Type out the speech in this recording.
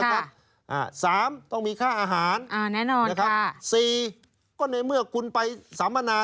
สามต้องมีค่าอาหารอ่าแน่นอนนะครับสี่ก็ในเมื่อคุณไปสัมมนา